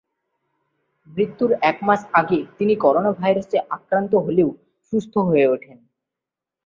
মৃত্যুর একমাস আগে তিনি করোনা ভাইরাসে আক্রান্ত হলেও সুস্থ হয়ে ওঠেন।